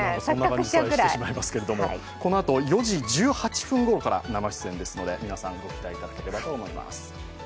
このあと４時１８分ごろから生出演ですので皆さん、ご期待いただければと思います。